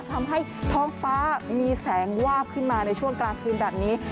ทำให้ท้องฟ้ามีแสงวาบขึ้นมาในช่วงกลางคืนแบบนี้